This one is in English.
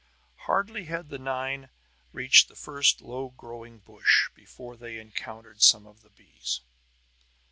Hardly had the nine reached the first low growing brush before they encountered some of the bees.